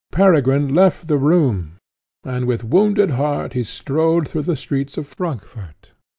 Peregrine left the room, and with wounded heart he strolled through the streets of Frankfort.